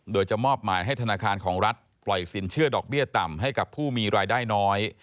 โดยจะมอบหมายให้ธนาคารของรัฐปล่อยสินเชื่อดอกเบี้ยต่ำให้กับผู้มีรายได้น้อย